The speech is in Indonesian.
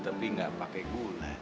tapi enggak pake gula